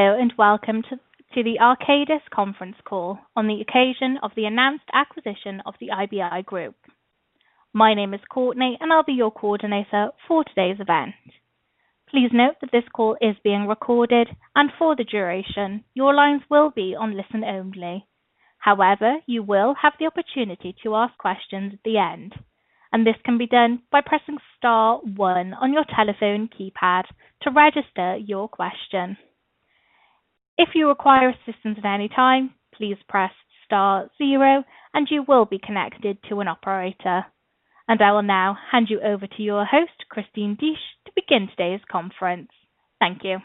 Hello and welcome to the Arcadis conference call on the occasion of the announced acquisition of the IBI Group. My name is Courtney and I'll be your coordinator for today's event. Please note that this call is being recorded and for the duration your lines will be on listen only. However, you will have the opportunity to ask questions at the end, and this can be done by pressing star one on your telephone keypad to register your question. If you require assistance at any time, please press star zero and you will be connected to an operator. I will now hand you over to your host, Christine Disch, to begin today's conference. Thank you.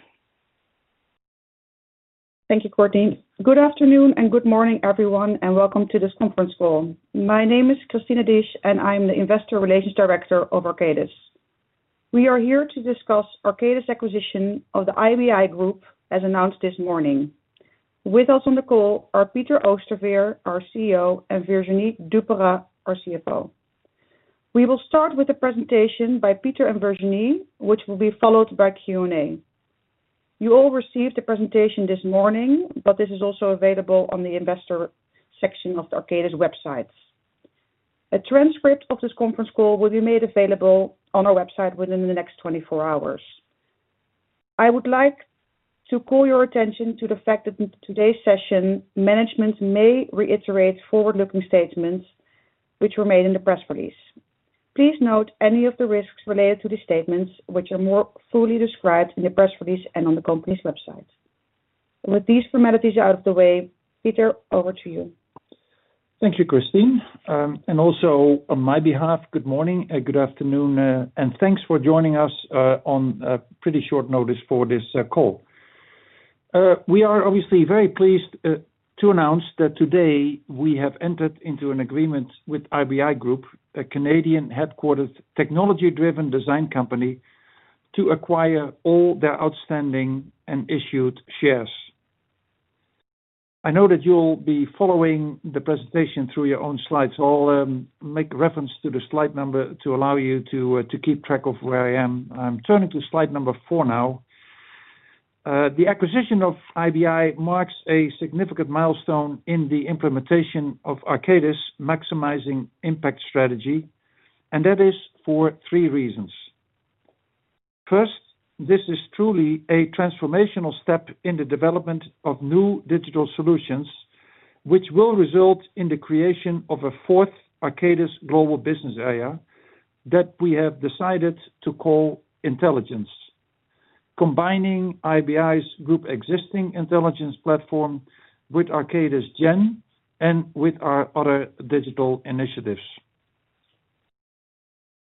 Thank you, Courtney. Good afternoon and good morning everyone, and welcome to this conference call. My name is Christine Disch and I'm the Investor Relations Director of Arcadis. We are here to discuss Arcadis' acquisition of the IBI Group as announced this morning. With us on the call are Peter Oosterveer, our CEO, and Virginie Duperat-Vergne, our CFO. We will start with a presentation by Peter and Virginie, which will be followed by Q&A. You all received the presentation this morning, but this is also available on the investor section of the Arcadis websites. A transcript of this conference call will be made available on our website within the next 24 hours. I would like to call your attention to the fact that in today's session, management may reiterate forward-looking statements which were made in the press release. Please note any of the risks related to these statements which are more fully described in the press release and on the company's website. With these formalities out of the way, Peter, over to you. Thank you, Christine. Also on my behalf, good morning and good afternoon, and thanks for joining us on pretty short notice for this call. We are obviously very pleased to announce that today we have entered into an agreement with IBI Group, a Canadian-headquartered technology-driven design company to acquire all their outstanding and issued shares. I know that you'll be following the presentation through your own slides. I'll make reference to the slide number to allow you to keep track of where I am. I'm turning to slide number four now. The acquisition of IBI marks a significant milestone in the implementation of Arcadis' Maximizing Impact strategy, and that is for three reasons. First, this is truly a transformational step in the development of new digital solutions, which will result in the creation of a fourth Arcadis global business area that we have decided to call Intelligence. Combining IBI Group's existing intelligence platform with Arcadis Gen and with our other digital initiatives.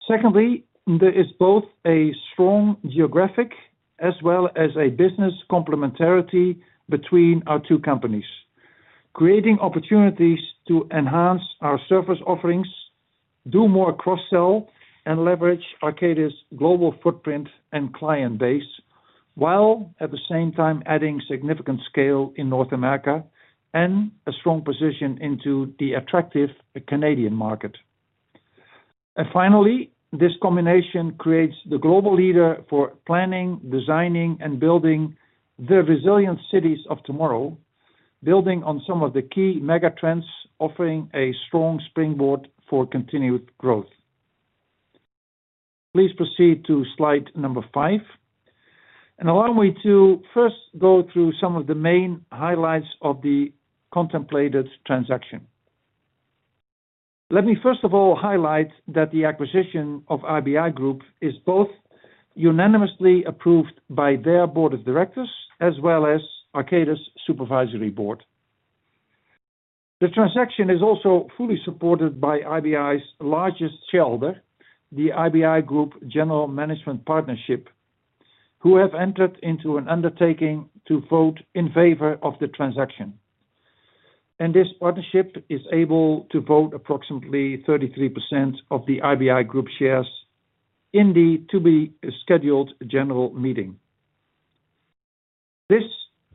Secondly, there is both a strong geographic as well as a business complementarity between our two companies, creating opportunities to enhance our service offerings, do more cross-sell and leverage Arcadis global footprint and client base while at the same time adding significant scale in North America and a strong position into the attractive Canadian market. Finally, this combination creates the global leader for planning, designing and building the resilient cities of tomorrow, building on some of the key mega trends, offering a strong springboard for continued growth. Please proceed to slide five and allow me to first go through some of the main highlights of the contemplated transaction. Let me first of all highlight that the acquisition of IBI Group is both unanimously approved by their board of directors as well as Arcadis supervisory board. The transaction is also fully supported by IBI's largest shareholder, the IBI Group Management Partnership, who have entered into an undertaking to vote in favor of the transaction. This partnership is able to vote approximately 33% of the IBI Group shares in the to-be-scheduled general meeting. This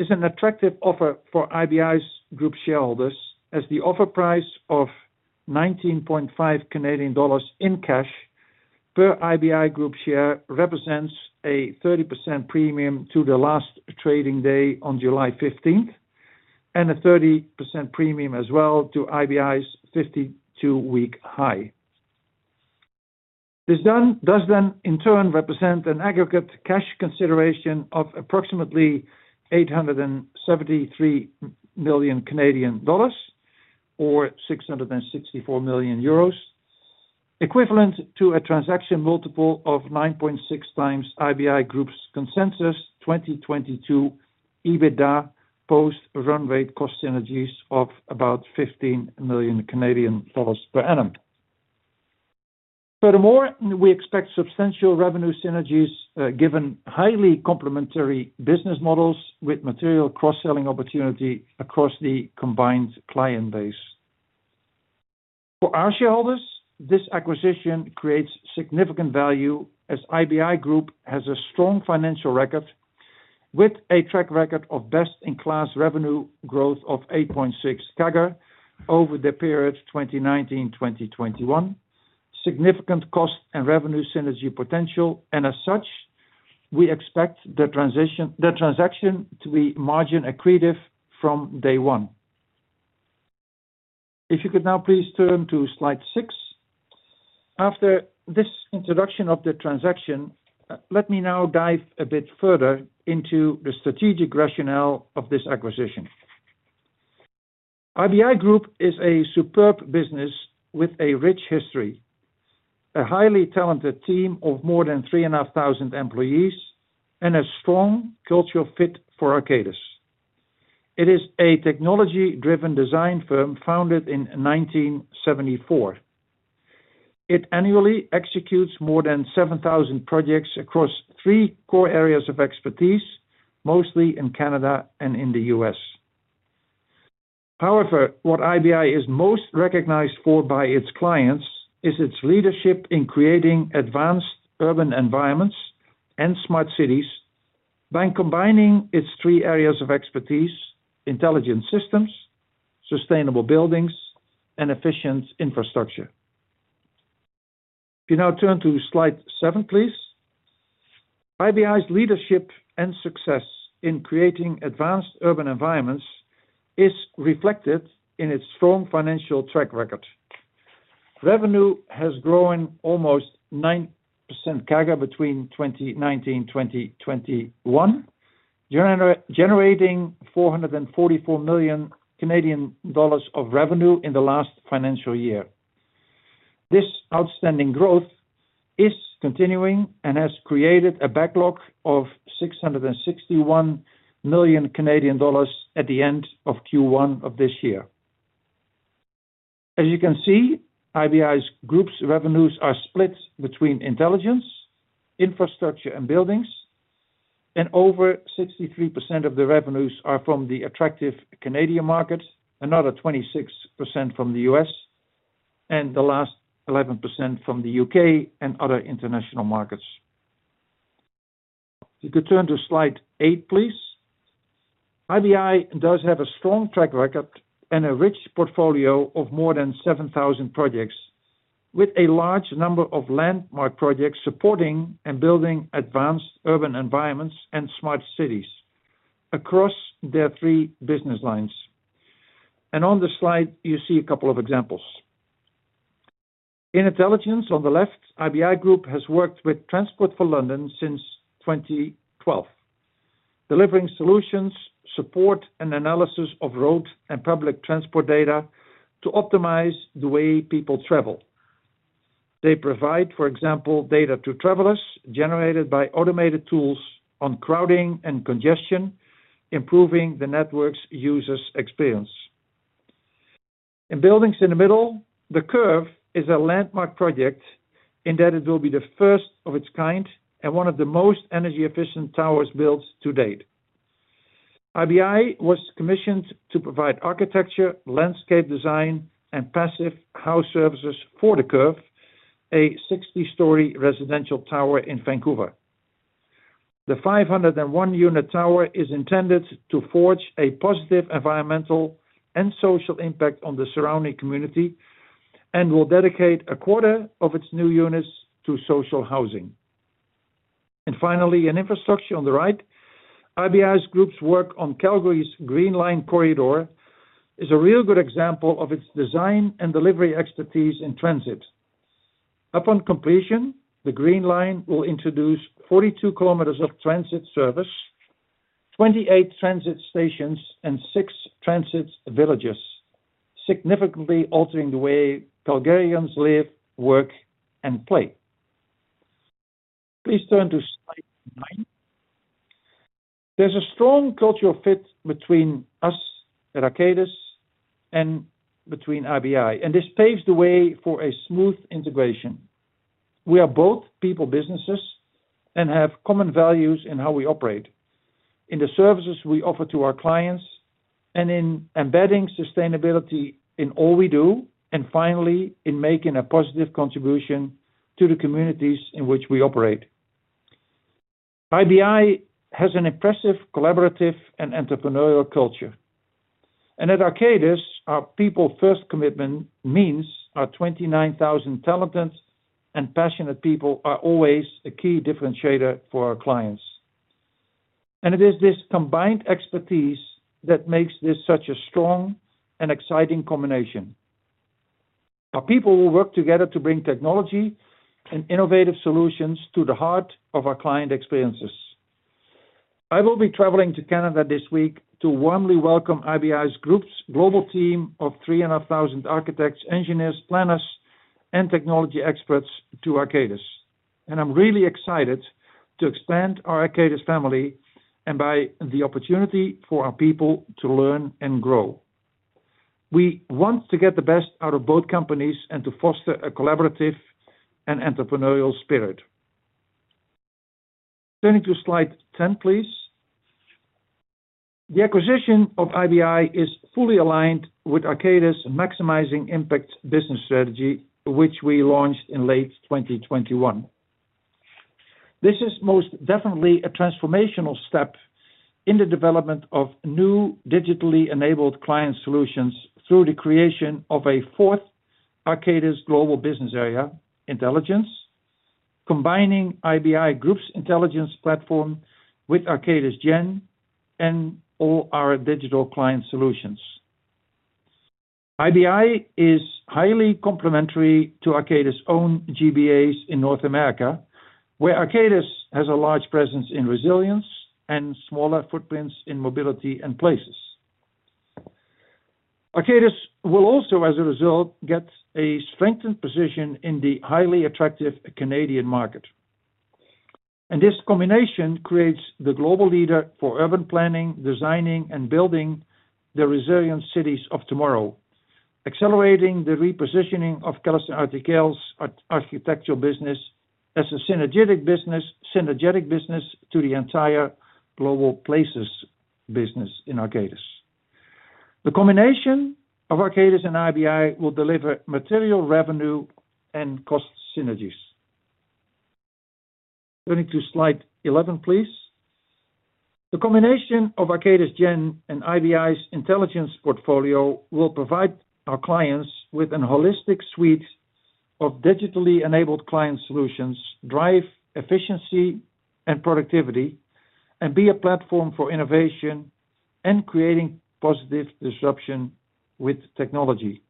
is an attractive offer for IBI Group shareholders as the offer price of 19.5 Canadian dollars in cash per IBI Group share represents a 30% premium to the last trading day on July 15 and a 30% premium as well to IBI's 52-week high. This does then in turn represent an aggregate cash consideration of approximately 873 million Canadian dollars or 664 million euros, equivalent to a transaction multiple of 9.6x IBI Group's consensus 2022 EBITDA post run-rate cost synergies of about 15 million Canadian dollars per annum. Furthermore, we expect substantial revenue synergies, given highly complementary business models with material cross-selling opportunity across the combined client base. For our shareholders, this acquisition creates significant value as IBI Group has a strong financial record. With a track record of best-in-class revenue growth of 8.6% CAGR over the period 2019-2021, significant cost and revenue synergy potential, and as such, we expect the transaction to be margin accretive from day one. If you could now please turn to slide six. After this introduction of the transaction, let me now dive a bit further into the strategic rationale of this acquisition. IBI Group is a superb business with a rich history, a highly talented team of more than 3,500 employees, and a strong cultural fit for Arcadis. It is a technology-driven design firm founded in 1974. It annually executes more than 7,000 projects across 3 core areas of expertise, mostly in Canada and in the U.S. However, what IBI is most recognized for by its clients is its leadership in creating advanced urban environments and smart cities by combining its 3 areas of expertise, intelligence systems, sustainable buildings and efficient infrastructure. If you now turn to slide seven, please. IBI's leadership and success in creating advanced urban environments is reflected in its strong financial track record. Revenue has grown almost 9% CAGR between 2019, 2021, generating 444 million Canadian dollars of revenue in the last financial year. This outstanding growth is continuing and has created a backlog of 661 million Canadian dollars at the end of Q1 of this year. As you can see, IBI Group's revenues are split between intelligence, infrastructure and buildings, and over 63% of the revenues are from the attractive Canadian market, another 26% from the U.S., and the last 11% from the U.K. and other international markets. If you could turn to slide eight, please. IBI does have a strong track record and a rich portfolio of more than 7,000 projects, with a large number of landmark projects supporting and building advanced urban environments and smart cities across their three business lines. On the slide you see a couple of examples. In Intelligence on the left, IBI Group has worked with Transport for London since 2012, delivering solutions, support and analysis of road and public transport data to optimize the way people travel. They provide, for example, data to travelers generated by automated tools on crowding and congestion, improving the network's user experience. In buildings in the middle, The Curv is a landmark project in that it will be the first of its kind and one of the most energy efficient towers built to date. IBI was commissioned to provide architecture, landscape design and passive house services for The Curv, a 60-story residential tower in Vancouver. The 501-unit tower is intended to forge a positive environmental and social impact on the surrounding community and will dedicate a quarter of its new units to social housing. Finally, in infrastructure on the right, IBI Group's work on Calgary's Green Line Corridor is a real good example of its design and delivery expertise in transit. Upon completion, the Green Line will introduce 42 kilometers of transit service, 28 transit stations and six transit villages, significantly altering the way Calgarians live, work and play. Please turn to slide nine. There's a strong cultural fit between us at Arcadis and IBI, and this paves the way for a smooth integration. We are both people businesses and have common values in how we operate, in the services we offer to our clients, and in embedding sustainability in all we do, and finally, in making a positive contribution to the communities in which we operate. IBI has an impressive collaborative and entrepreneurial culture. At Arcadis, our people first commitment means our 29,000 intelligent and passionate people are always a key differentiator for our clients. It is this combined expertise that makes this such a strong and exciting combination. Our people will work together to bring technology and innovative solutions to the heart of our client experiences. I will be traveling to Canada this week to warmly welcome IBI Group's global team of 3,500 architects, engineers, planners and technology experts to Arcadis. I'm really excited to expand our Arcadis family and by the opportunity for our people to learn and grow. We want to get the best out of both companies and to foster a collaborative and entrepreneurial spirit. Turning to slide 10, please. The acquisition of IBI is fully aligned with Arcadis Maximizing Impact business strategy, which we launched in late 2021. This is most definitely a transformational step in the development of new digitally enabled client solutions through the creation of a fourth Arcadis global business area, Intelligence, combining IBI Group's intelligence platform with Arcadis Gen and all our digital client solutions. IBI is highly complementary to Arcadis own GBAs in North America, where Arcadis has a large presence in Resilience and smaller footprints in Mobility and Places. Arcadis will also, as a result, get a strengthened position in the highly attractive Canadian market. This combination creates the global leader for urban planning, designing, and building the resilient cities of tomorrow, accelerating the repositioning of CallisonRTKL's architectural business as a synergistic business to the entire global Places business in Arcadis. The combination of Arcadis and IBI will deliver material revenue and cost synergies. Turning to slide 11, please. The combination of Arcadis Gen and IBI's Intelligence portfolio will provide our clients with a holistic suite of digitally enabled client solutions, drive efficiency and productivity, and be a platform for innovation and creating positive disruption with technology.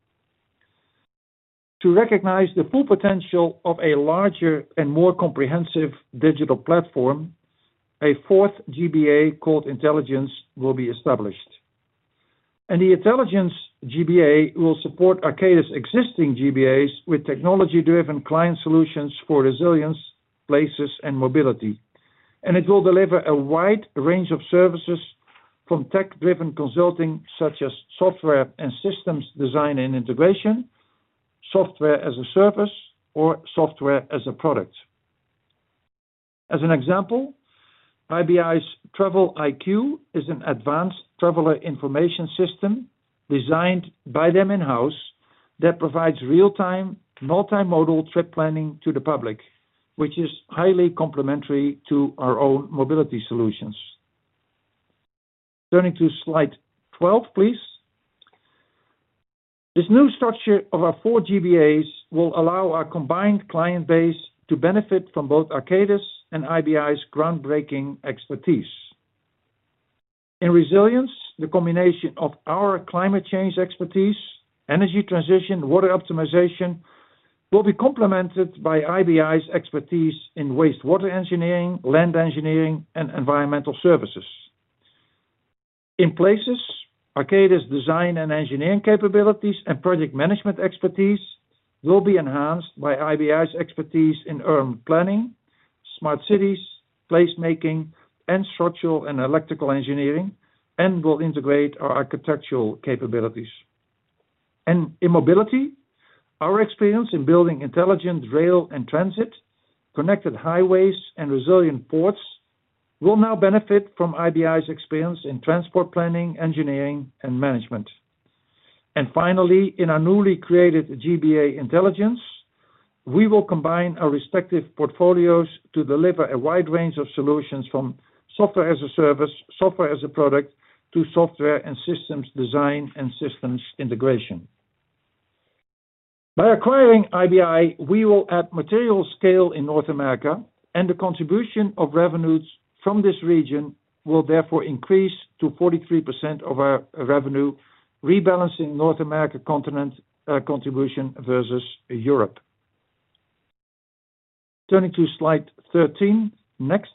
To recognize the full potential of a larger and more comprehensive digital platform, a fourth GBA called Intelligence will be established. The Intelligence GBA will support Arcadis' existing GBAs with technology-driven client solutions for Resilience, Places, and Mobility. It will deliver a wide range of services from tech-driven consulting, such as software and systems design and integration, software as a service or software as a product. As an example, IBI's Travel-IQ is an advanced traveler information system designed by them in-house that provides real-time, multimodal trip planning to the public, which is highly complementary to our own mobility solutions. Turning to slide 12, please. This new structure of our four GBAs will allow our combined client base to benefit from both Arcadis and IBI's groundbreaking expertise. In Resilience, the combination of our climate change expertise, energy transition, water optimization, will be complemented by IBI's expertise in wastewater engineering, land engineering, and environmental services. In Places, Arcadis design and engineering capabilities and project management expertise will be enhanced by IBI's expertise in urban planning, smart cities, placemaking, and structural and electrical engineering, and will integrate our architectural capabilities. In Mobility, our experience in building intelligent rail and transit, connected highways, and resilient ports will now benefit from IBI's experience in transport planning, engineering, and management. Finally, in our newly created GBA Intelligence, we will combine our respective portfolios to deliver a wide range of solutions from software as a service, software as a product, to software and systems design and systems integration. By acquiring IBI, we will add material scale in North America, and the contribution of revenues from this region will therefore increase to 43% of our revenue, rebalancing North America continent contribution versus Europe. Turning to slide 13, next.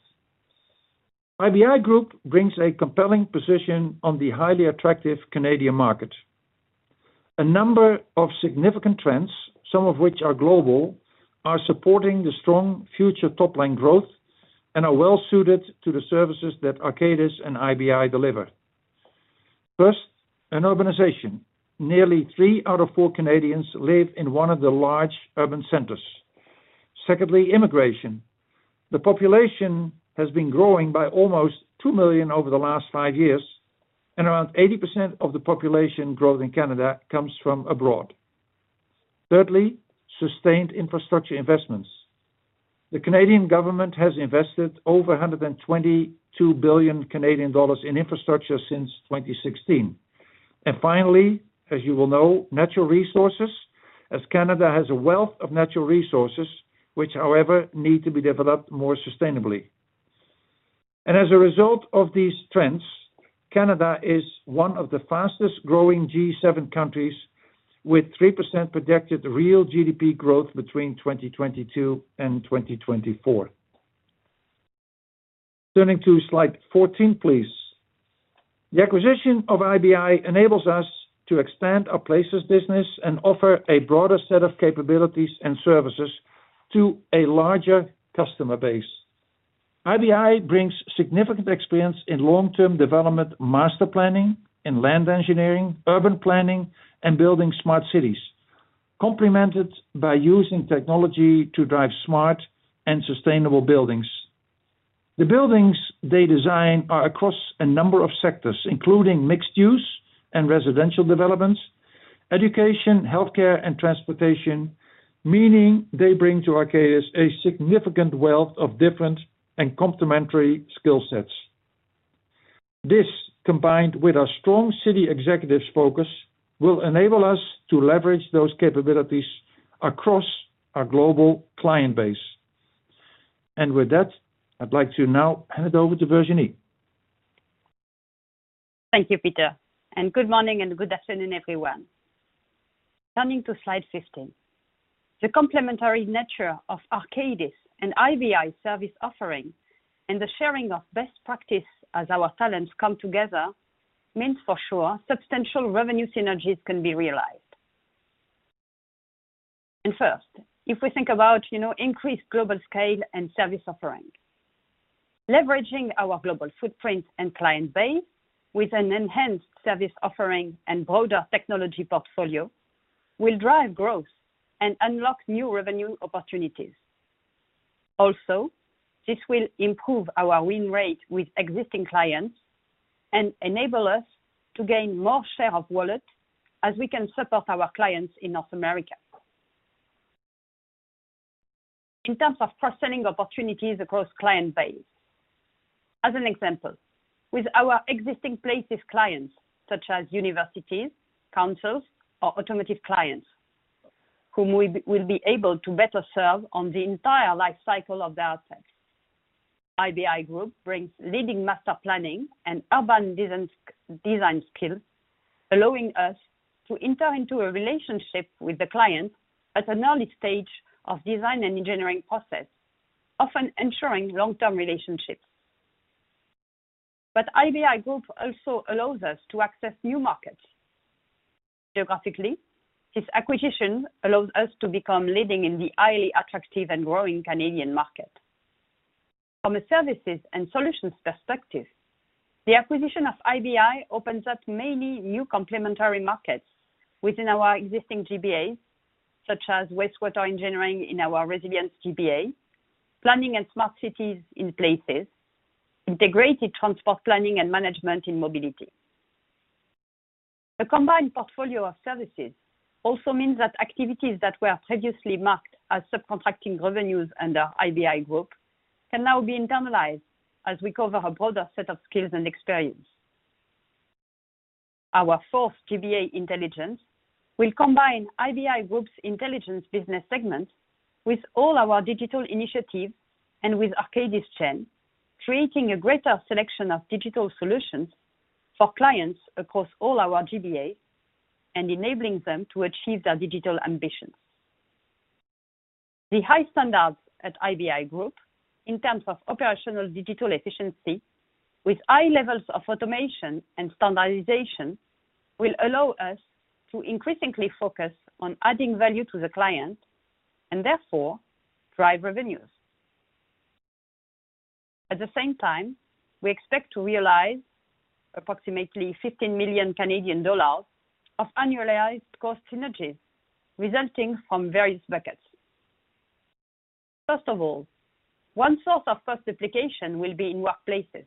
IBI Group brings a compelling position on the highly attractive Canadian market. A number of significant trends, some of which are global, are supporting the strong future top line growth and are well suited to the services that Arcadis and IBI deliver. First, urbanization. Nearly three out of four Canadians live in one of the large urban centers. Secondly, immigration. The population has been growing by almost 2 million over the last five years, and around 80% of the population growth in Canada comes from abroad. Thirdly, sustained infrastructure investments. The Canadian government has invested over 122 billion Canadian dollars in infrastructure since 2016. Finally, as you will know, natural resources, as Canada has a wealth of natural resources, which however need to be developed more sustainably. As a result of these trends, Canada is one of the fastest-growing G7 countries with 3% projected real GDP growth between 2022 and 2024. Turning to slide 14, please. The acquisition of IBI enables us to expand our Places business and offer a broader set of capabilities and services to a larger customer base. IBI brings significant experience in long-term development master planning, in land engineering, urban planning, and building smart cities. Complemented by using technology to drive smart and sustainable buildings. The buildings they design are across a number of sectors, including mixed use and residential developments, education, healthcare, and transportation, meaning they bring to Arcadis a significant wealth of different and complementary skill sets. This, combined with our strong city executives' focus, will enable us to leverage those capabilities across our global client base. With that, I'd like to now hand it over to Virginie. Thank you, Pieter, and good morning and good afternoon, everyone. Turning to slide 15. The complementary nature of Arcadis and IBI service offering and the sharing of best practice as our talents come together means for sure substantial revenue synergies can be realized. First, if we think about, you know, increased global scale and service offering. Leveraging our global footprint and client base with an enhanced service offering and broader technology portfolio will drive growth and unlock new revenue opportunities. Also, this will improve our win rate with existing clients and enable us to gain more share of wallet as we can support our clients in North America. In terms of cross-selling opportunities across client base. As an example, with our existing Places clients, such as universities, councils or automotive clients, whom we will be able to better serve on the entire life cycle of the assets. IBI Group brings leading master planning and urban design skills, allowing us to enter into a relationship with the client at an early stage of design and engineering process, often ensuring long-term relationships. IBI Group also allows us to access new markets. Geographically, this acquisition allows us to become leading in the highly attractive and growing Canadian market. From a services and solutions perspective, the acquisition of IBI opens up many new complementary markets within our existing GBAs, such as wastewater engineering in our Resilience GBA, planning and smart cities in Places, integrated transport planning and management in Mobility. The combined portfolio of services also means that activities that were previously marked as subcontracting revenues under IBI Group can now be internalized as we cover a broader set of skills and experience. Our fourth GBA, Intelligence, will combine IBI Group's intelligence business segment with all our digital initiatives and with Arcadis Gen, creating a greater selection of digital solutions for clients across all our GBAs and enabling them to achieve their digital ambitions. The high standards at IBI Group in terms of operational digital efficiency with high levels of automation and standardization will allow us to increasingly focus on adding value to the client and therefore drive revenues. At the same time, we expect to realize approximately 15 million Canadian dollars of annualized cost synergies resulting from various buckets. First of all, one source of cost duplication will be in workplaces.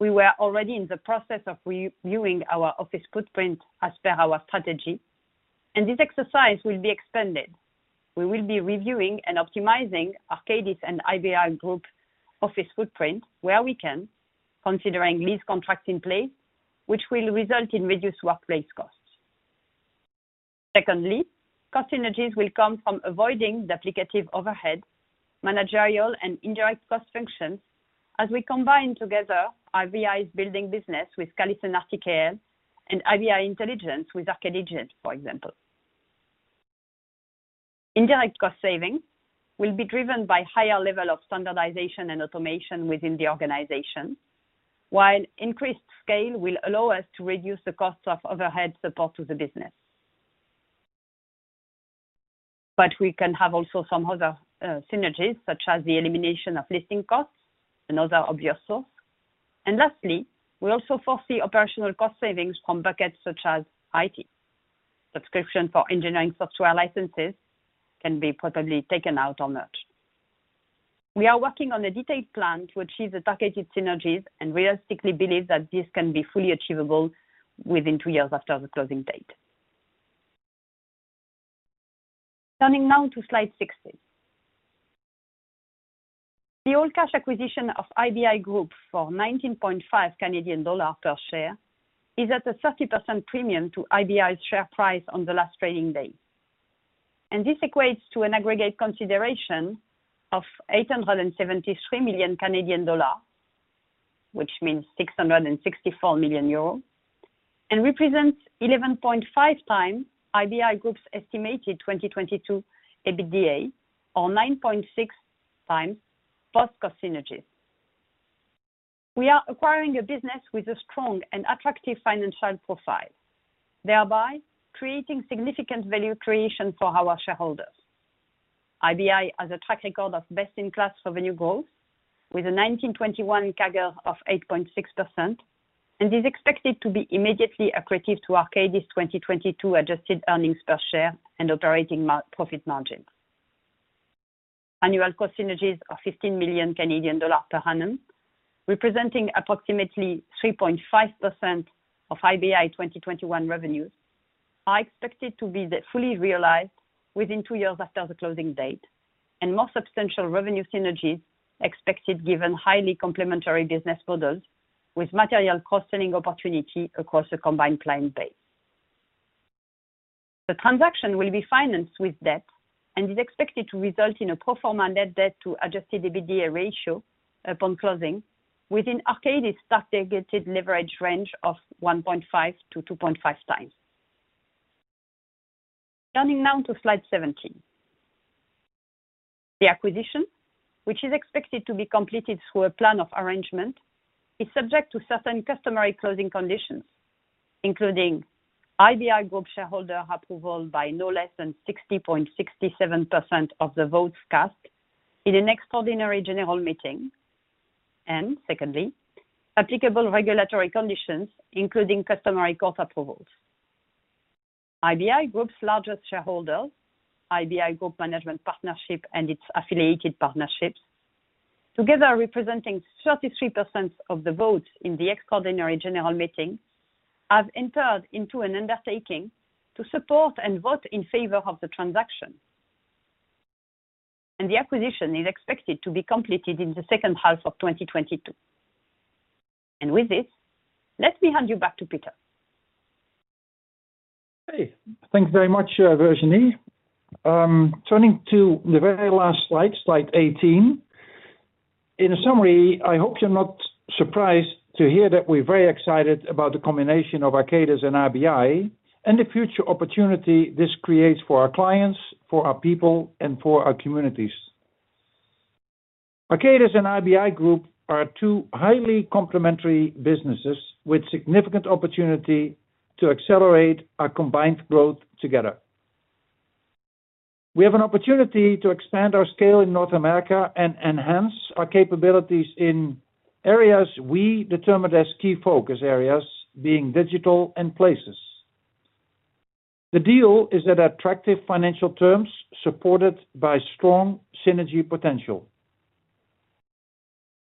We were already in the process of reviewing our office footprint as per our strategy, and this exercise will be expanded. We will be reviewing and optimizing Arcadis and IBI Group office footprint where we can, considering lease contracts in place, which will result in reduced workplace costs. Secondly, cost synergies will come from avoiding duplicative overhead, managerial and indirect cost functions as we combine together IBI's building business with CallisonRTKL and IBI Intelligence with Arcadis Intelligence, for example. Indirect cost savings will be driven by higher level of standardization and automation within the organization, while increased scale will allow us to reduce the costs of overhead support to the business. We can have also some other synergies, such as the elimination of listing costs and other obvious source. Lastly, we also foresee operational cost savings from buckets such as IT. Subscription for engineering software licenses can be probably taken out or merged. We are working on a detailed plan to achieve the targeted synergies and realistically believe that this can be fully achievable within two years after the closing date. Turning now to slide 16. The all cash acquisition of IBI Group for 19.5 Canadian dollars per share is at a 30% premium to IBI's share price on the last trading day. This equates to an aggregate consideration of 873 million Canadian dollars, which means 664 million euros, and represents 11.5x IBI Group's estimated 2022 EBITDA or 9.6x post-cost synergies. We are acquiring a business with a strong and attractive financial profile, thereby creating significant value creation for our shareholders. IBI has a track record of best-in-class revenue growth with a 2021 CAGR of 8.6%, and is expected to be immediately accretive to Arcadis' 2022 adjusted earnings per share and operating profit margin. Annual cost synergies are 15 million Canadian dollars per annum, representing approximately 3.5% of IBI 2021 revenues, are expected to be fully realized within two years after the closing date, and more substantial revenue synergies expected given highly complementary business models with material cost-saving opportunity across a combined client base. The transaction will be financed with debt, and is expected to result in a pro forma net debt to adjusted EBITDA ratio upon closing within Arcadis' target leverage range of 1.5-2.5 times. Turning now to slide 17. The acquisition, which is expected to be completed through a plan of arrangement, is subject to certain customary closing conditions, including IBI Group shareholder approval by no less than 60.67% of the votes cast in an extraordinary general meeting. Secondly, applicable regulatory conditions, including customary court approvals. IBI Group's largest shareholder, IBI Group Management Partnership and its affiliated partnerships, together representing 33% of the votes in the extraordinary general meeting, have entered into an undertaking to support and vote in favor of the transaction. The acquisition is expected to be completed in the second half of 2022. With this, let me hand you back to Peter. Okay. Thank you very much, Virginie. Turning to the very last slide 18. In summary, I hope you're not surprised to hear that we're very excited about the combination of Arcadis and IBI, and the future opportunity this creates for our clients, for our people, and for our communities. Arcadis and IBI Group are two highly complementary businesses with significant opportunity to accelerate our combined growth together. We have an opportunity to expand our scale in North America and enhance our capabilities in areas we determined as key focus areas, being digital and places. The deal is at attractive financial terms, supported by strong synergy potential.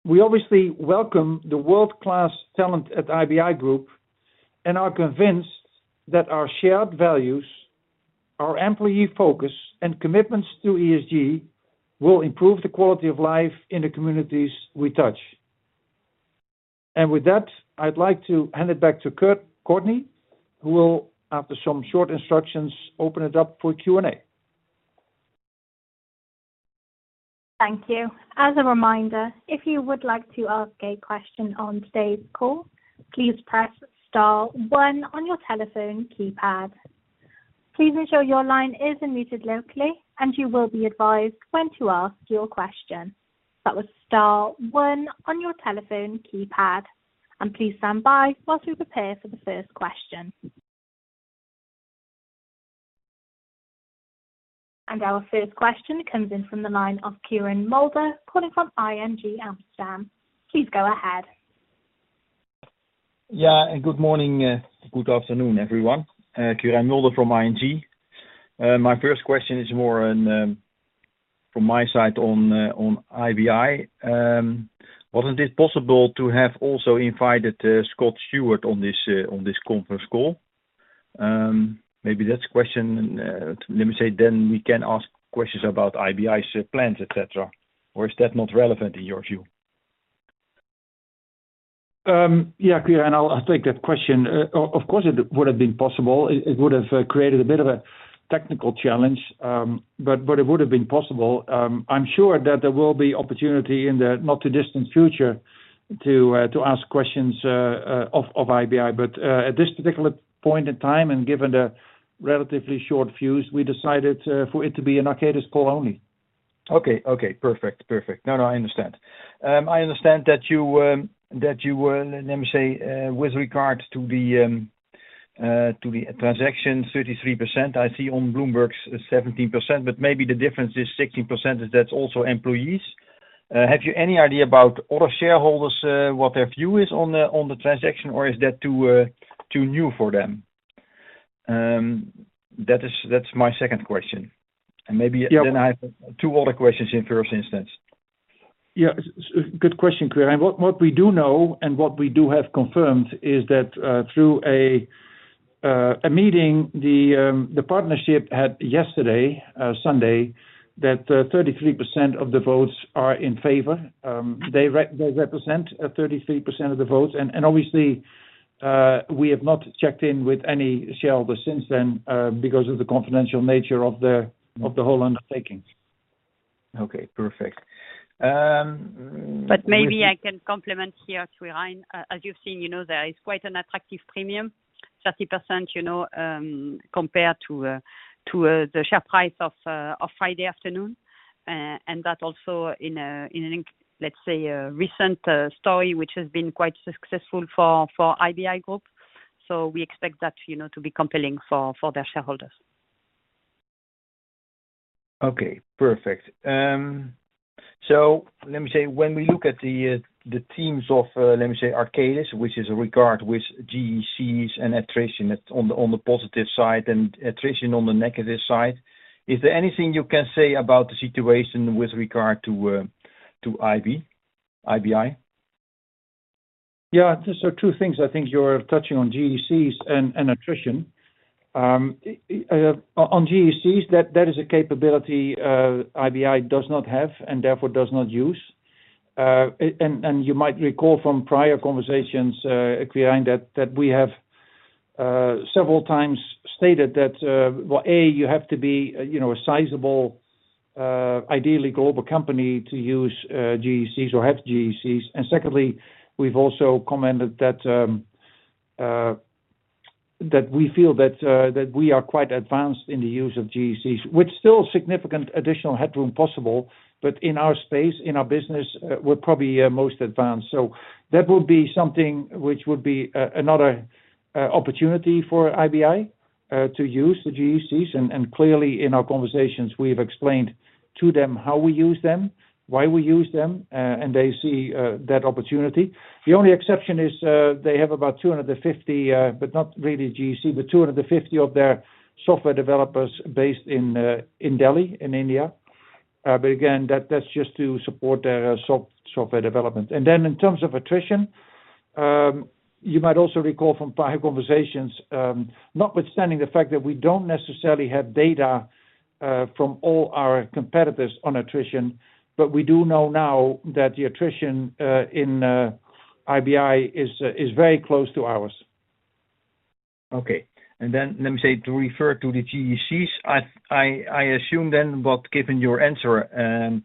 We obviously welcome the world-class talent at IBI Group, and are convinced that our shared values, our employee focus, and commitments to ESG will improve the quality of life in the communities we touch. With that, I'd like to hand it back to Courtney, who will, after some short instructions, open it up for Q&A. Thank you. As a reminder, if you would like to ask a question on today's call, please press star one on your telephone keypad. Please ensure your line is unmuted locally, and you will be advised when to ask your question. That was star one on your telephone keypad, and please stand by while we prepare for the first question. Our first question comes in from the line of Quirijn Mulder calling from ING Amsterdam. Please go ahead. Yeah. Good morning, good afternoon, everyone. Quirijn Mulder from ING. My first question is more of an from my side on IBI. Wasn't it possible to have also invited Scott Stewart on this conference call? Maybe that's a question, let me say, then we can ask questions about IBI's plans, et cetera. Is that not relevant in your view? Quirijn, I'll take that question. Of course, it would have been possible. It would have created a bit of a technical challenge, but it would have been possible. I'm sure that there will be opportunity in the not too distant future to ask questions of IBI. At this particular point in time, and given the relatively short fuse, we decided for it to be an Arcadis call only. Okay. Perfect. No, I understand. I understand that you, that you were, let me say, with regards to the, to the transaction, 33%. I see on Bloomberg's 17%, but maybe the difference is 16% is that's also employees. Have you any idea about other shareholders, what their view is on the, on the transaction, or is that too new for them? That is, that's my second question. Maybe- Yeah. I have two other questions in first instance. Good question, Quirijn. What we do know and what we do have confirmed is that through a meeting the partnership had yesterday, Sunday, that 33% of the votes are in favor. They represent 33% of the votes. Obviously, we have not checked in with any shareholder since then because of the confidential nature of the whole undertaking. Okay. Perfect. Maybe I can comment here, Quirijn. As you've seen, you know, there is quite an attractive premium, 30%, you know, compared to the share price of Friday afternoon. That also in alignment, let's say, with a recent story which has been quite successful for IBI Group. We expect that, you know, to be compelling for their shareholders. Okay, perfect. Let me say, when we look at the themes of, let me say, Arcadis, which is regard with GECs and attrition on the positive side and attrition on the negative side, is there anything you can say about the situation with regard to IBI? Yeah. Two things. I think you're touching on GECs and attrition. On GECs, that is a capability IBI does not have and therefore does not use. And you might recall from prior conversations, Quirijn, that we have several times stated that, well, a, you have to be, you know, a sizable, ideally global company to use GECs or have GECs. Secondly, we've also commented that we feel that we are quite advanced in the use of GECs, with still significant additional headroom possible. In our space, in our business, we're probably most advanced. That would be something which would be another opportunity for IBI to use the GECs. Clearly in our conversations, we've explained to them how we use them, why we use them, and they see that opportunity. The only exception is, they have about 250, but not really GEC, of their software developers based in Delhi, in India. Again, that's just to support their software development. In terms of attrition, you might also recall from prior conversations, notwithstanding the fact that we don't necessarily have data from all our competitors on attrition. We do know now that the attrition in IBI is very close to ours. Okay. Let me say, to refer to the GECs, I assume then, but given your answer,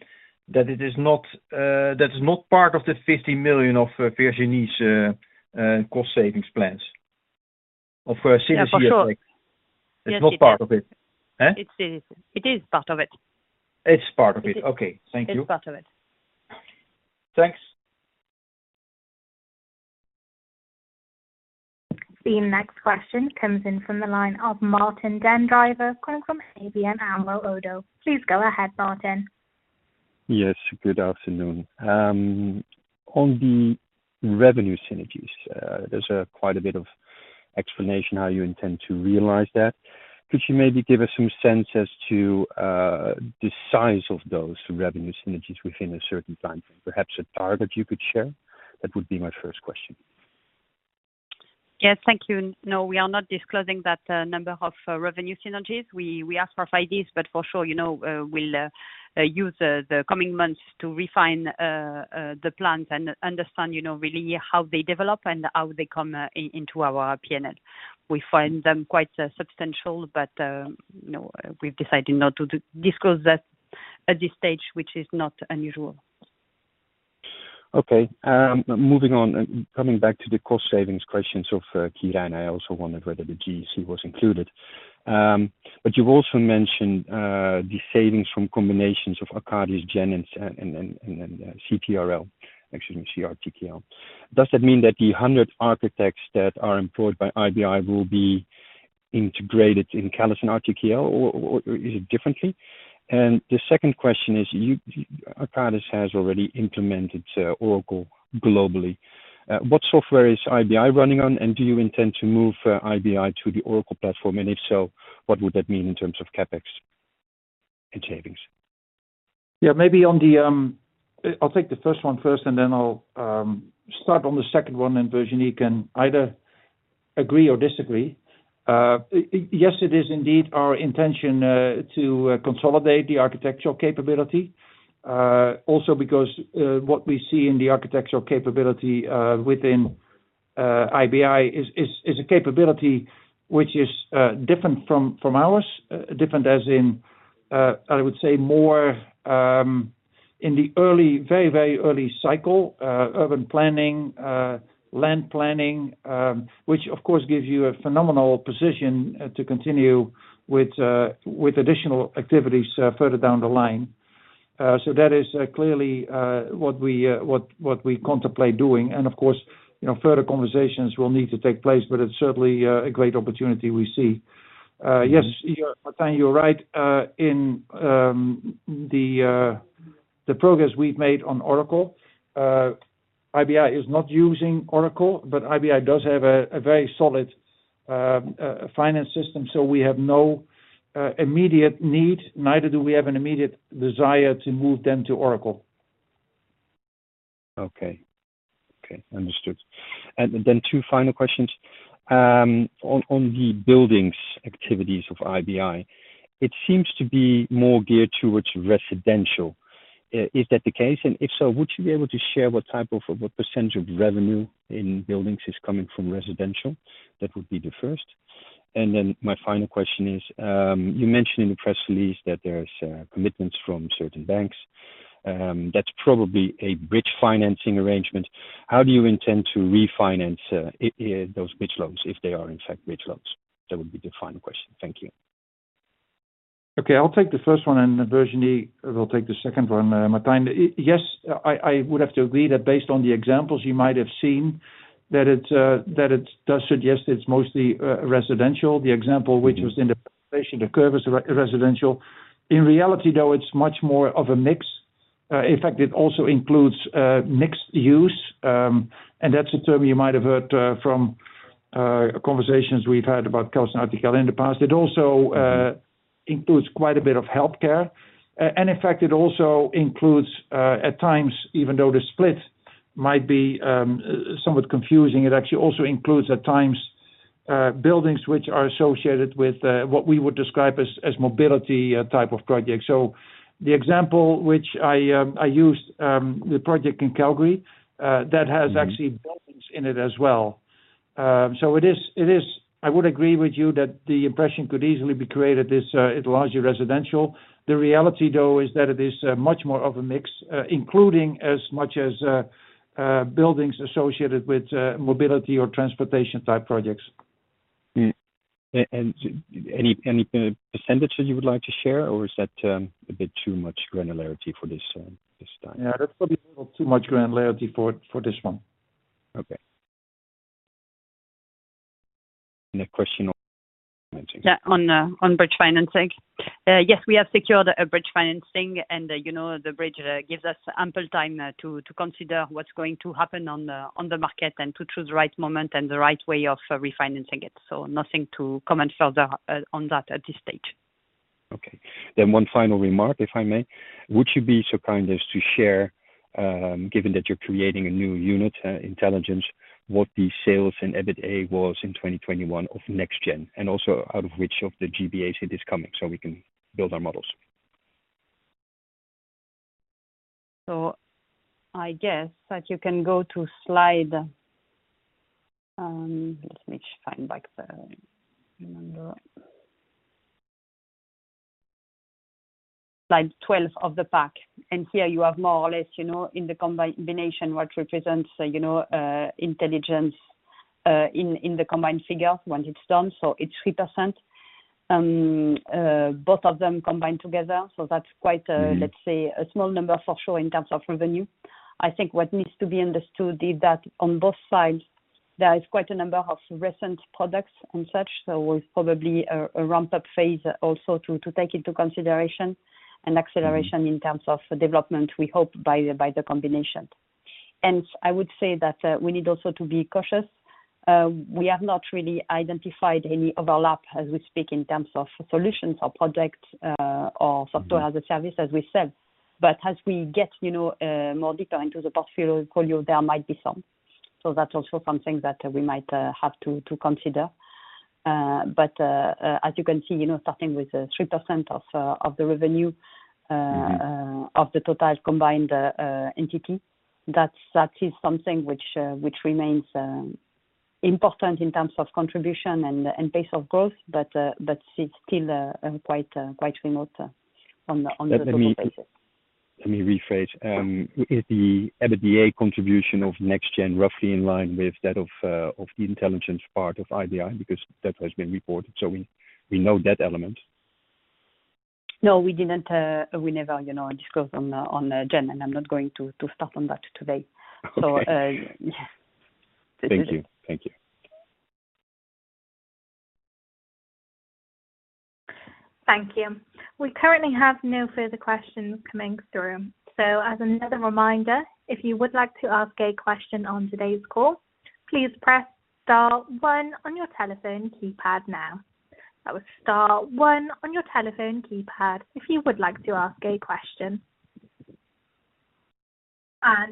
that it is not, that's not part of the 50 million of Virginie's cost savings plans of, Yeah, for sure. Synergy effect. Yes. It's not part of it. Eh? It is part of it. It's part of it. It is. Okay. Thank you. It's part of it. Thanks. The next question comes in from the line of Martijn den Drijver, calling from ABN AMRO ODDO. Please go ahead, Martijn. Yes. Good afternoon. On the revenue synergies, there's quite a bit of explanation how you intend to realize that. Could you maybe give us some sense as to the size of those revenue synergies within a certain time frame? Perhaps a target you could share? That would be my first question. Yes, thank you. No, we are not disclosing that number of revenue synergies. We ask for ideas, but for sure, you know, we'll use the coming months to refine the plans and understand, you know, really how they develop and how they come into our P&L. We find them quite substantial, but, you know, we've decided not to disclose that at this stage, which is not unusual. Okay. Moving on, coming back to the cost savings questions of Quirijn, I also wondered whether the GEC was included. You've also mentioned the savings from combinations of Arcadis, IBI and CallisonRTKL. Does that mean that the 100 architects that are employed by IBI will be integrated in CallisonRTKL or is it differently? The second question is, Arcadis has already implemented Oracle globally. What software is IBI running on, and do you intend to move IBI to the Oracle platform? If so, what would that mean in terms of CapEx and savings? I'll take the first one first, and then I'll start on the second one, and Virginie can either agree or disagree. Yes, it is indeed our intention to consolidate the architectural capability, also because what we see in the architectural capability within IBI is a capability which is different from ours. Different as in, I would say more in the early very early cycle, urban planning, land planning, which of course gives you a phenomenal position to continue with additional activities further down the line. So that is clearly what we contemplate doing. Of course, you know, further conversations will need to take place, but it's certainly a great opportunity we see. Yes, Martijn, you're right. In the progress we've made on Oracle, IBI is not using Oracle, but IBI does have a very solid finance system, so we have no immediate need, neither do we have an immediate desire to move them to Oracle. Okay, understood. Two final questions. On the buildings activities of IBI, it seems to be more geared towards residential. Is that the case? If so, would you be able to share what type of, or what percentage of revenue in buildings is coming from residential? That would be the first. My final question is, you mentioned in the press release that there is commitments from certain banks. That's probably a bridge financing arrangement. How do you intend to refinance those bridge loans if they are in fact bridge loans? That would be the final question. Thank you. Okay. I'll take the first one, and Virginie will take the second one, Martijn. Yes, I would have to agree that based on the examples you might have seen that it does suggest it's mostly residential. The example which was in the presentation, The Curv is residential. In reality, though, it's much more of a mix. In fact, it also includes mixed use, and that's a term you might have heard from conversations we've had about it. Also, it includes quite a bit of healthcare. And in fact, it also includes, at times, even though the split might be somewhat confusing, it actually also includes at times buildings which are associated with what we would describe as mobility type of projects. The example which I used, the project in Calgary, that has actually buildings in it as well. I would agree with you that the impression could easily be created that it's largely residential. The reality, though, is that it is much more of a mix, including as much as buildings associated with mobility or transportation type projects. Any percentages you would like to share or is that a bit too much granularity for this time? Yeah, that's probably a little too much granularity for this one. Okay. And the question on? Yeah, on bridge financing. Yes, we have secured a bridge financing and, you know, the bridge gives us ample time to consider what's going to happen on the market and to choose the right moment and the right way of refinancing it. Nothing to comment further on that at this stage. Okay. One final remark, if I may. Would you be so kind as to share, given that you're creating a new unit, Intelligence, what the sales and EBITA was in 2021 of NextGen, and also out of which of the GBAs it is coming so we can build our models? I guess that you can go to slide. Let me find back the number. Slide 12 of the pack. Here you have more or less, you know, in the combination what represents, you know, Intelligence in the combined figure when it's done. It's 3%, both of them combined together. That's quite, let's say, a small number for sure in terms of revenue. I think what needs to be understood is that on both sides, there is quite a number of recent products and such. With probably a ramp-up phase also to take into consideration and acceleration in terms of development, we hope by the combination. I would say that we need also to be cautious. We have not really identified any overlap as we speak in terms of solutions or projects, or software as a service, as we said. As we get, you know, more detail into the portfolio, there might be some. That's also something that we might have to consider. As you can see, you know, starting with 3% of the revenue. Mm-hmm. Of the total combined entity, that is something which remains important in terms of contribution and pace of growth but it's still quite remote on the development basis. Let me rephrase. Is the EBITDA contribution of NextGen roughly in line with that of the intelligence part of IBI? Because that has been reported, so we know that element. No, we didn't, we never, you know, discussed on Gen, and I'm not going to start on that today. Okay. Yeah. Thank you. Thank you. Thank you. We currently have no further questions coming through. As another reminder, if you would like to ask a question on today's call, please press star one on your telephone keypad now. That was star one on your telephone keypad if you would like to ask a question.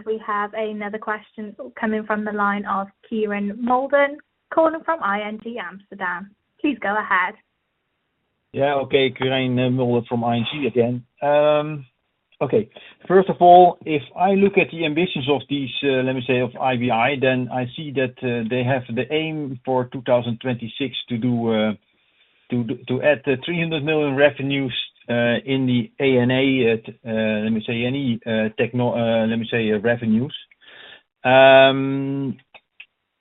We have another question coming from the line of Quirijn Mulder, calling from ING Amsterdam. Please go ahead. Yeah, okay. Quirijn Mulder from ING again. Okay. First of all, if I look at the ambitions of these of IBI, then I see that they have the aim for 2026 to add EUR 300 million revenues.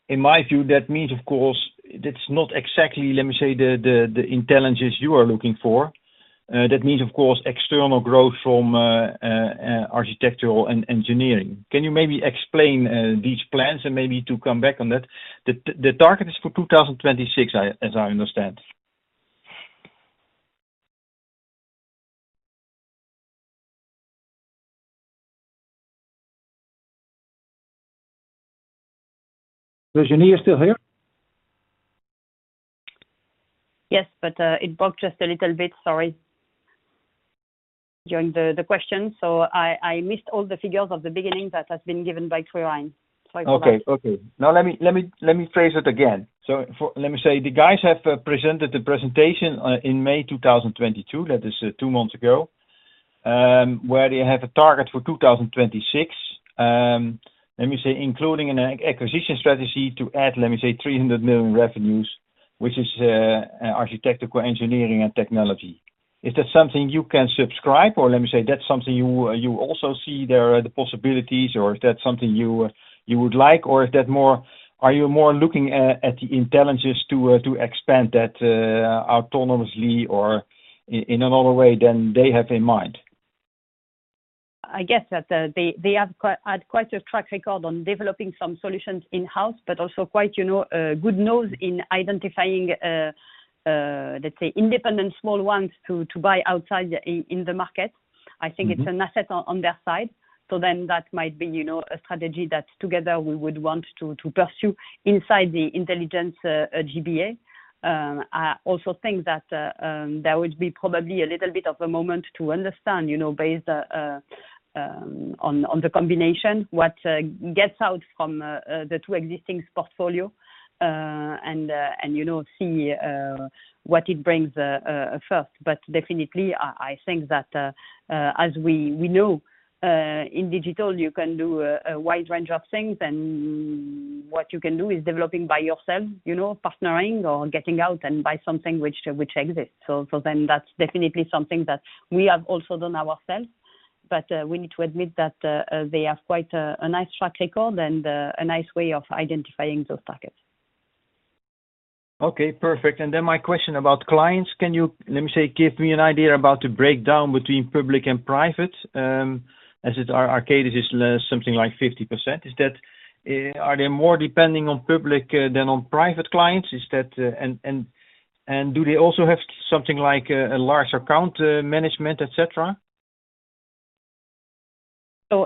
In my view, that means, of course, that's not exactly the Intelligence you are looking for. That means, of course, external growth from architectural and engineering. Can you maybe explain these plans and maybe to come back on that? The target is for 2026, as I understand. Virginie, are you still here? Yes, it broke just a little bit. Sorry. During the question. I missed all the figures of the beginning that has been given by Quirijn. Sorry for that. Okay. Now let me phrase it again. Let me say, the guys have presented the presentation in May 2022, that is two months ago, where they have a target for 2026, let me say, including an acquisition strategy to add, let me say, 300 million revenues, which is architectural engineering and technology. Is that something you can subscribe or let me say that's something you also see there are the possibilities or is that something you would like, or is that more, are you more looking at the Intelligence to expand that autonomously or in another way than they have in mind? I guess that they have had quite a track record on developing some solutions in-house, but also quite, you know, good nose in identifying, let's say independent small ones to buy outside in the market. Mm-hmm. I think it's an asset on their side. That might be, you know, a strategy that together we would want to pursue inside the Intelligence GBA. I also think that there would be probably a little bit of a moment to understand, you know, based on the combination what gets out from the two existing portfolio and see what it brings first. Definitely I think that as we know in digital, you can do a wide range of things, and what you can do is developing by yourself, you know, partnering or getting out and buy something which exists. That's definitely something that we have also done ourselves. We need to admit that they have quite a nice track record and a nice way of identifying those targets. Okay, perfect. My question about clients, can you let me say give me an idea about the breakdown between public and private? Arcadis is something like 50%. Is that, are they more depending on public than on private clients? Is that? Do they also have something like a large account management, et cetera?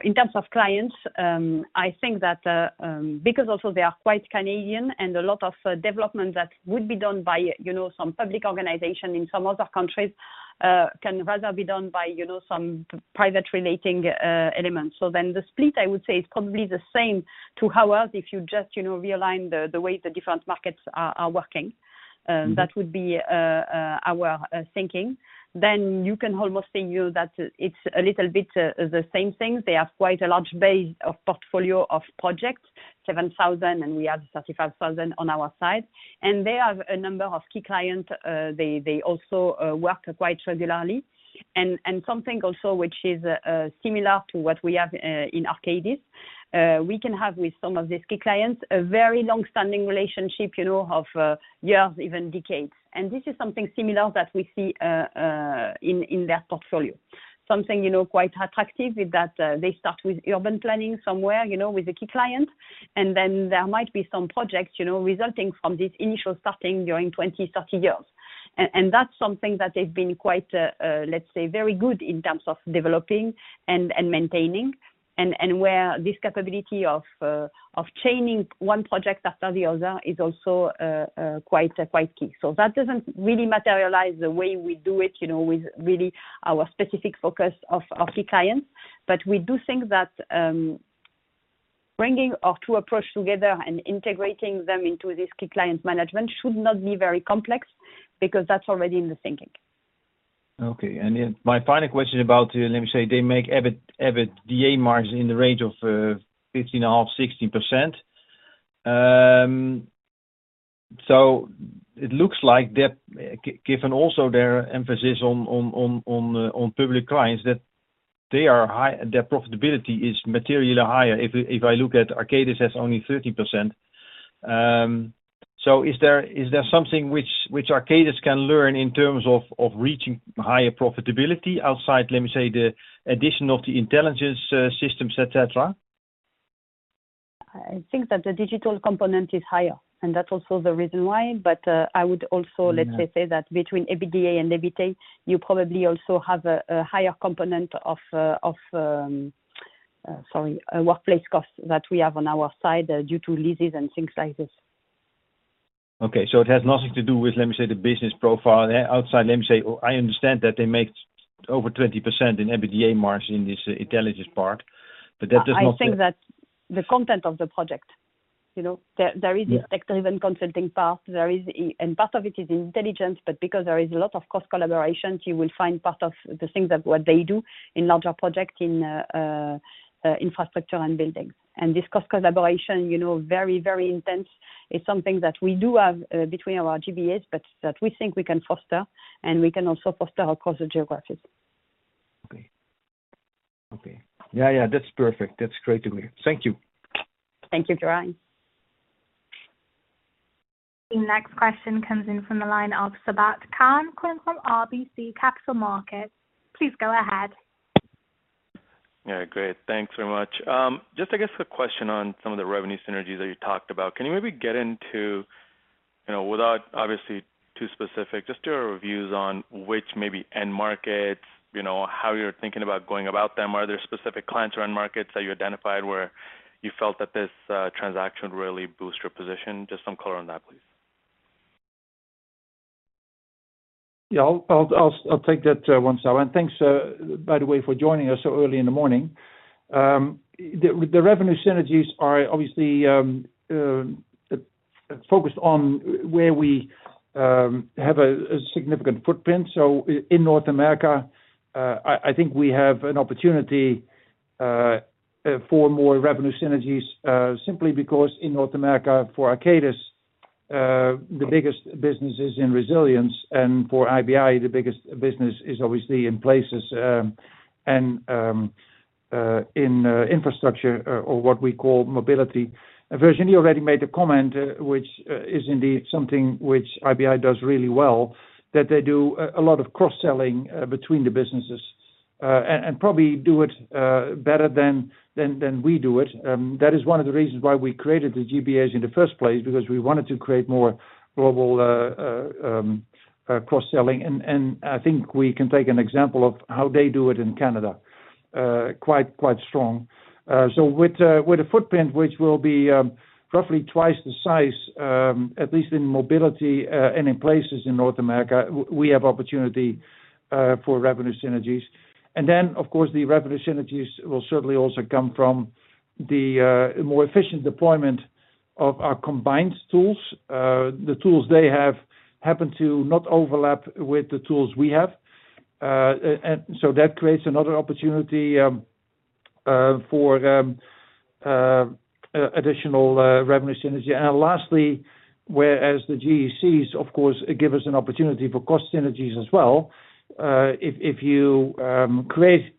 In terms of clients, I think that because also they are quite Canadian and a lot of development that would be done by you know some public organization in some other countries can rather be done by you know some private relating elements. The split, I would say, is probably the same as ours if you just you know realign the way the different markets are working. Mm-hmm. That would be our thinking. You can almost say that it's a little bit the same thing. They have quite a large base of portfolio of projects, 7,000, and we have 35,000 on our side. They have a number of key clients, they also work quite regularly. Something also which is similar to what we have in Arcadis, we can have with some of these key clients a very long-standing relationship, you know, of years, even decades. This is something similar that we see in their portfolio. Something, you know, quite attractive is that they start with urban planning somewhere, you know, with a key client, and then there might be some projects, you know, resulting from this initial starting during 20, 30 years. That's something that they've been quite, let's say, very good in terms of developing and maintaining and where this capability of chaining one project after the other is also quite key. That doesn't really materialize the way we do it, you know, with really our specific focus of key clients. We do think that bringing our two approaches together and integrating them into this key client management should not be very complex because that's already in the thinking. Okay. My final question about, let me say they make EBIT, EBITDA margins in the range of 15.5%-16%. So it looks like that given also their emphasis on public clients, that their profitability is materially higher. If I look at Arcadis has only 30%. So is there something which Arcadis can learn in terms of reaching higher profitability outside, let me say, the addition of the intelligence systems, et cetera? I think that the digital component is higher, and that's also the reason why. I would also, let's say that between EBITDA and EBITA, you probably also have a higher component of workplace costs that we have on our side due to leases and things like this. Okay. It has nothing to do with, let me say, the business profile outside. Let me say, I understand that they make over 20% in EBITDA margin in this intelligence part, but that does not. I think that the content of the project. You know? Yeah. There is this tech-driven consulting part. There is and part of it is Intelligence, but because there is a lot of cross collaborations, you will find part of the things that what they do in larger projects in infrastructure and building. This cross collaboration, you know, very intense. It's something that we do have between our GBAs, but that we think we can foster, and we can also foster across the geographies. Okay. Okay. Yeah, yeah, that's perfect. That's great to hear. Thank you. Thank you, Quirijn. The next question comes in from the line of Sabahat Khan calling from RBC Capital Markets. Please go ahead. Yeah, great. Thanks very much. Just I guess a question on some of the revenue synergies that you talked about. Can you maybe get into, you know, without obviously too specific, just your views on which maybe end markets, you know, how you're thinking about going about them. Are there specific clients or end markets that you identified where you felt that this transaction really boosts your position? Just some color on that, please. Yeah. I'll take that one, Sab, and thanks, by the way, for joining us so early in the morning. The revenue synergies are obviously focused on where we have a significant footprint. In North America, I think we have an opportunity for more revenue synergies, simply because in North America for Arcadis, the biggest business is in Resilience, and for IBI, the biggest business is obviously in Places, and in infrastructure or what we call Mobility. Virginie already made a comment, which is indeed something which IBI does really well, that they do a lot of cross-selling between the businesses, and probably do it better than we do it. That is one of the reasons why we created the GBAs in the first place, because we wanted to create more global cross-selling and I think we can take an example of how they do it in Canada quite strong. With a footprint which will be roughly twice the size, at least in Mobility and in Places in North America, we have opportunity for revenue synergies. Of course, the revenue synergies will certainly also come from the more efficient deployment of our combined tools. The tools they have happen to not overlap with the tools we have. That creates another opportunity for additional revenue synergy. Lastly, whereas the GECs, of course, give us an opportunity for cost synergies as well, if you create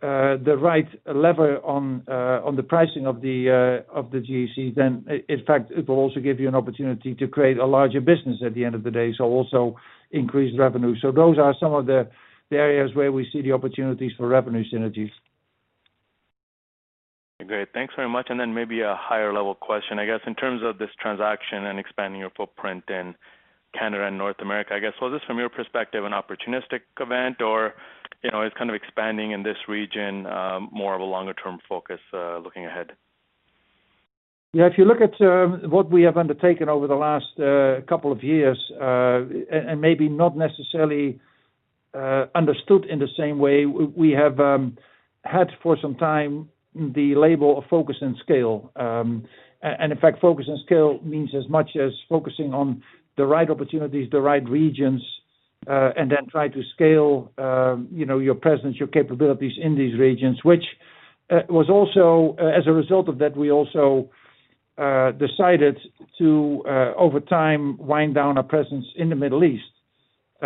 the right lever on the pricing of the GEC, then in fact, it will also give you an opportunity to create a larger business at the end of the day, so also increased revenue. Those are some of the areas where we see the opportunities for revenue synergies. Great. Thanks very much. Maybe a higher level question. I guess, in terms of this transaction and expanding your footprint in Canada and North America, I guess, was this, from your perspective, an opportunistic event, or, you know, it's kind of expanding in this region, more of a longer term focus, looking ahead? Yeah, if you look at what we have undertaken over the last couple of years, and maybe not necessarily understood in the same way, we have had for some time the label of focus and scale. In fact, focus and scale means as much as focusing on the right opportunities, the right regions, and then try to scale, you know, your presence, your capabilities in these regions. Which was also as a result of that, we also decided to over time wind down our presence in the Middle East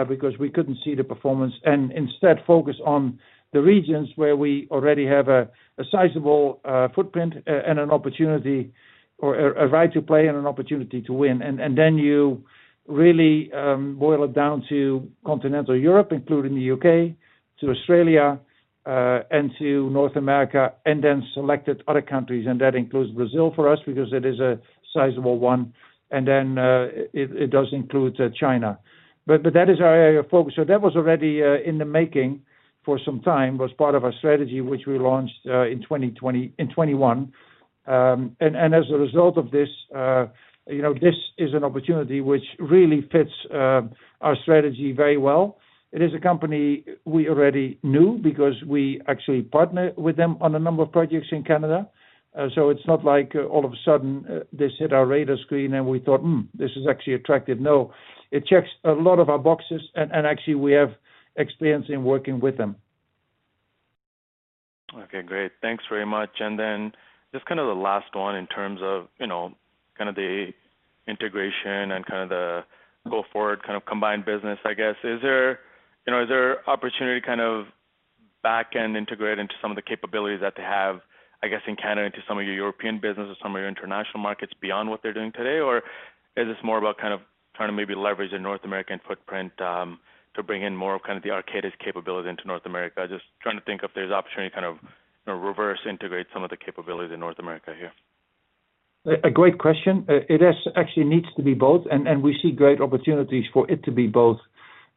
because we couldn't see the performance, and instead focus on the regions where we already have a sizable footprint and an opportunity or a right to play and an opportunity to win. Then you really boil it down to continental Europe, including the U.K., to Australia, and to North America, and then selected other countries, that includes Brazil for us because it is a sizable one. It does include China. But that is our area of focus. That was already in the making for some time, was part of our strategy, which we launched in 2020, in 2021. As a result of this, you know, this is an opportunity which really fits our strategy very well. It is a company we already knew because we actually partner with them on a number of projects in Canada. It's not like all of a sudden this hit our radar screen and we thought, "Hmm, this is actually attractive." No, it checks a lot of our boxes and actually we have experience in working with them. Okay, great. Thanks very much. Just kind of the last one in terms of, you know, kind of the integration and kind of the go forward kind of combined business, I guess. Is there, you know, is there opportunity kind of back and integrate into some of the capabilities that they have, I guess, in Canada into some of your European businesses, some of your international markets beyond what they're doing today? Is this more about kind of trying to maybe leverage the North American footprint, to bring in more of kind of the Arcadis capability into North America? Just trying to think if there's opportunity to kind of, you know, reverse integrate some of the capabilities in North America here. A great question. It actually needs to be both and we see great opportunities for it to be both.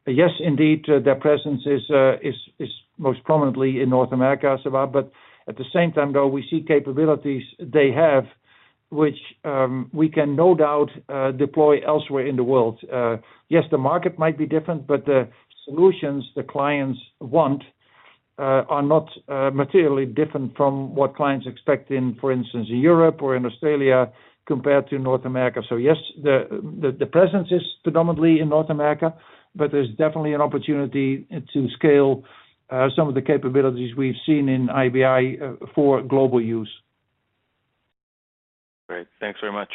Yes, indeed, their presence is most prominently in North America, Sabahat, but at the same time, though, we see capabilities they have, which we can no doubt deploy elsewhere in the world. Yes, the market might be different, but the solutions the clients want are not materially different from what clients expect in, for instance, Europe or in Australia compared to North America. Yes, the presence is predominantly in North America, but there's definitely an opportunity to scale some of the capabilities we've seen in IBI for global use. Great. Thanks very much.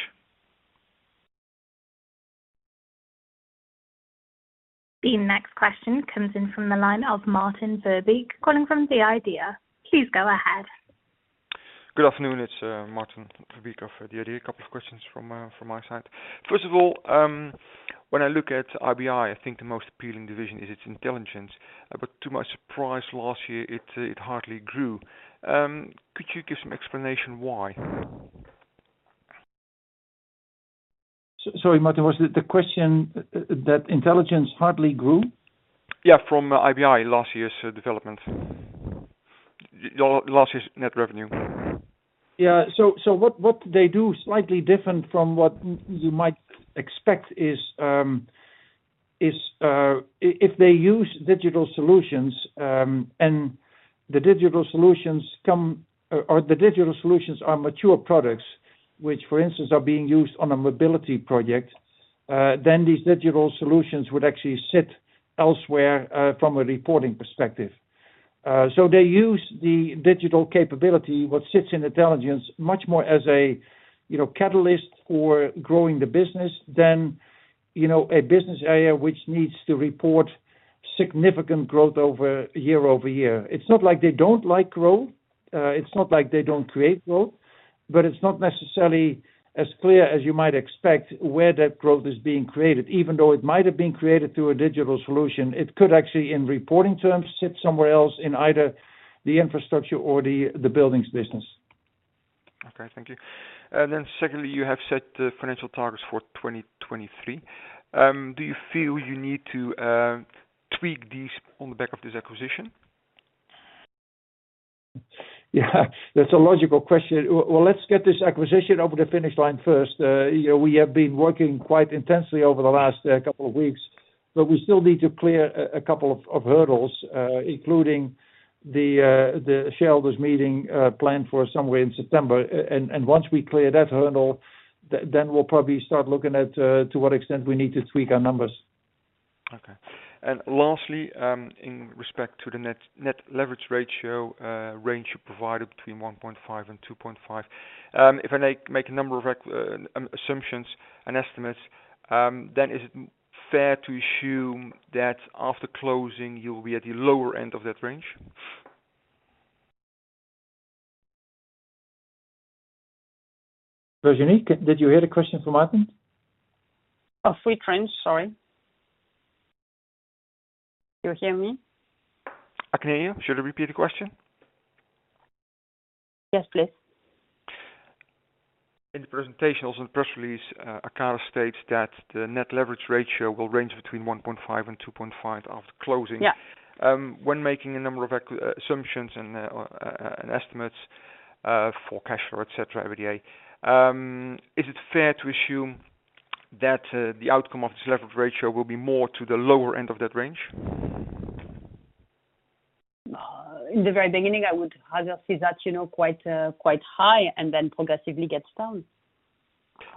The next question comes in from the line of Maarten Verbeek, calling from the IDEA. Please go ahead. Good afternoon. It's Maarten Verbeek of the IDEA. A couple of questions from my side. First of all, when I look at IBI, I think the most appealing division is its Intelligence. To my surprise, last year, it hardly grew. Could you give some explanation why? Sorry, Maarten, was the question that Intelligence hardly grew? Yeah, from IBI last year's development. Your last year's net revenue. Yeah. What they do slightly different from what you might expect is, if they use digital solutions, and the digital solutions are mature products, which for instance are being used on a Mobility project, then these digital solutions would actually sit elsewhere, from a reporting perspective. They use the digital capability, what sits in Intelligence, much more as a, you know, catalyst for growing the business than, you know, a business area which needs to report significant growth year over year. It's not like they don't like growth, it's not like they don't create growth, but it's not necessarily as clear as you might expect where that growth is being created. Even though it might have been created through a digital solution, it could actually, in reporting terms, sit somewhere else in either the infrastructure or the buildings business. Okay, thank you. Secondly, you have set the financial targets for 2023. Do you feel you need to tweak these on the back of this acquisition? Yeah. That's a logical question. Well, let's get this acquisition over the finish line first. You know, we have been working quite intensely over the last couple of weeks, but we still need to clear a couple of hurdles, including the shareholders' meeting planned for somewhere in September. And once we clear that hurdle, then we'll probably start looking at to what extent we need to tweak our numbers. Okay. Lastly, in respect to the net leverage ratio range you provided between 1.5 and 2.5, if I make a number of assumptions and estimates, then is it fair to assume that after closing you'll be at the lower end of that range? Virginie, did you hear the question from Martijn? Oh, three trends, sorry. You hear me? I can hear you. Should I repeat the question? Yes, please. In the presentation, also the press release, Arcadis states that the net leverage ratio will range between 1.5 and 2.5 after closing. Yeah. When making a number of assumptions and estimates for cash flow, et cetera, EBITDA, is it fair to assume that the outcome of this leverage ratio will be more to the lower end of that range? In the very beginning, I would rather see that, you know, quite high and then progressively gets down.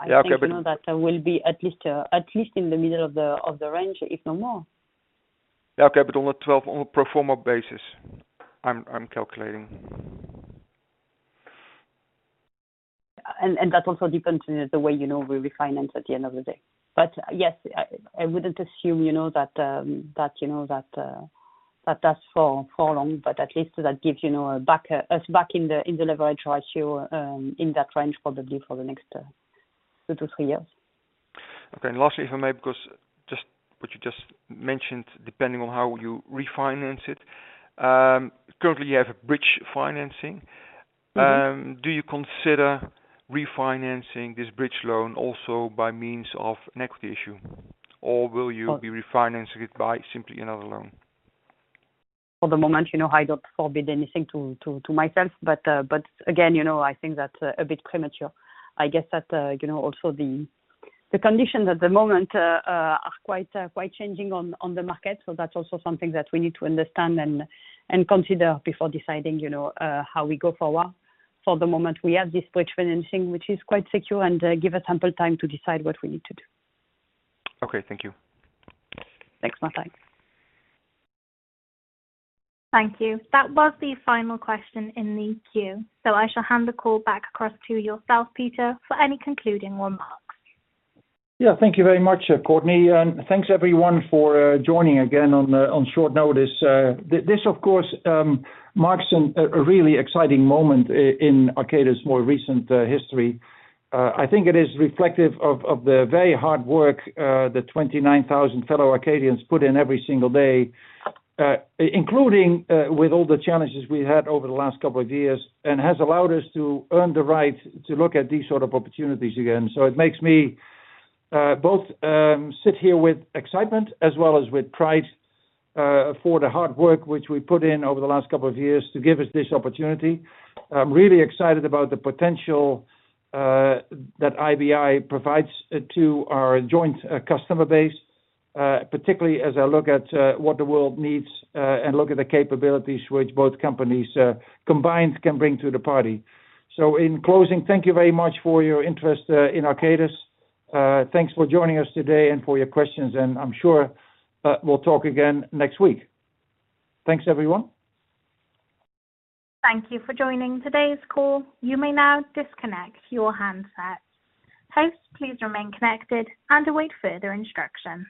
Yeah, okay. I think, you know, that will be at least in the middle of the range, if not more. Yeah, okay. On the 12 on pro forma basis, I'm calculating. That also depends on the way, you know, we refinance at the end of the day. Yes, I wouldn't assume, you know, that that's for long, but at least that gives, you know, us back in the leverage ratio, in that range probably for the next 2-3 years. Okay. Lastly, if I may, because just what you just mentioned, depending on how you refinance it, currently you have a bridge financing. Mm-hmm. Do you consider refinancing this bridge loan also by means of an equity issue? Or will you be refinancing it by simply another loan? For the moment, you know, I don't forbid anything to myself, but again, you know, I think that's a bit premature. I guess that, you know, also the conditions at the moment are quite changing on the market. That's also something that we need to understand and consider before deciding, you know, how we go forward. For the moment, we have this bridge financing, which is quite secure and give us ample time to decide what we need to do. Okay. Thank you. Thanks, Martijn. Thank you. That was the final question in the queue, so I shall hand the call back across to yourself, Peter, for any concluding remarks. Yeah. Thank you very much, Courtney, and thanks everyone for joining again on short notice. This of course marks a really exciting moment in Arcadis' more recent history. I think it is reflective of the very hard work the 29,000 fellow Arcadians put in every single day, including with all the challenges we had over the last couple of years, and has allowed us to earn the right to look at these sort of opportunities again. It makes me both sit here with excitement as well as with pride for the hard work which we put in over the last couple of years to give us this opportunity. I'm really excited about the potential that IBI provides to our joint customer base, particularly as I look at what the world needs and look at the capabilities which both companies combined can bring to the party. In closing, thank you very much for your interest in Arcadis. Thanks for joining us today and for your questions, and I'm sure we'll talk again next week. Thanks, everyone. Thank you for joining today's call. You may now disconnect your handsets. Hosts, please remain connected and await further instruction.